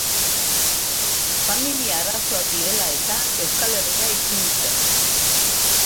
Familia-arazoak zirela eta, Euskal Herrira itzuli zen.